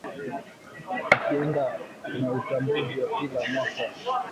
ikiendana na utambuzi wa kila mwaka wa Umoja wa Mataifa wa siku ya uhuru wa habari duniani